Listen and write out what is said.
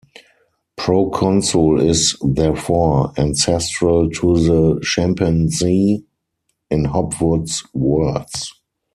Proconsul is therefore "ancestral to the Chimpanzee" in Hopwood's words.